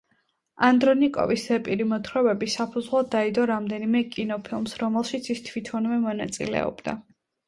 ანდრონიკოვის ზეპირი მოთხრობები საფუძვლად დაედო რამდენიმე კინოფილმს, რომლებშიც ის თვითონვე მონაწილეობდა.